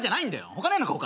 他ないのか他。